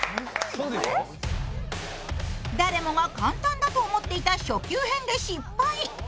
誰もが簡単だと思っていた初級編で失敗。